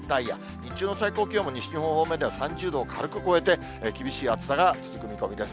日中の最高気温も西日本方面では、３０度を軽く超えて、厳しい暑さが続く見込みです。